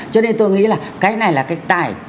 cho nên tôi nghĩ là cái này là cái tài